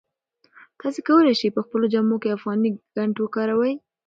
تاسي کولای شئ په خپلو جامو کې افغاني ګنډ وکاروئ.